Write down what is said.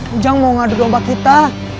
ujang mau ngaduk domba kita